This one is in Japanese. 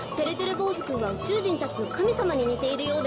ぼうずくんはうちゅうじんたちのかみさまににているようですね。